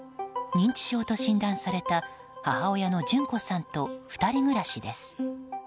認知症と診断された母親の順子さんと２人暮らしです。